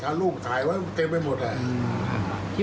ก็มีเลยไม่มี